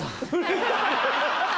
ハハハ！